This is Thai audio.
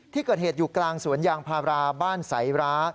ที่เกิดเหตุอยู่กลางสวนยางพาราบ้านสายร้า